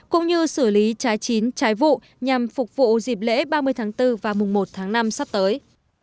cũng như xử lý trái chín trái vụ nhằm phục vụ dịp lễ ba mươi tháng bốn và mùng một tháng năm sắp tới